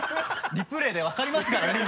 リプレイで分かりますからね今。